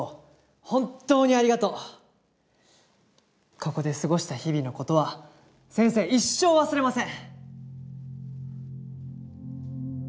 ここですごした日々のことは先生一生わすれません。